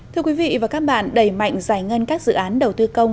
thưa quý vị và các bạn đầy mạnh giải ngân các dự án đầu tư công